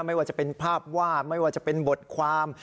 ไม่ว่าจะเป็นภาพวาดไม่ว่าจะเป็นบทความ